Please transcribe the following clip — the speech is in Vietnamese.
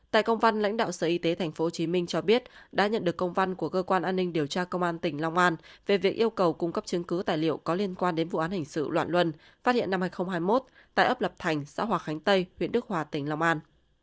tại công văn lãnh đạo sở y tế tp hcm cho biết đã nhận được công văn của cơ quan an ninh điều tra công an tỉnh long an về việc yêu cầu cung cấp chứng cứ tài liệu có liên quan đến vụ án hình sự loạn luân phát hiện năm hai nghìn hai mươi một tại ấp lập thành xã hòa khánh tây huyện đức hòa tỉnh long an